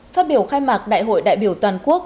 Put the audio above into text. phát biểu khai mạc đại hội đại biểu toàn quốc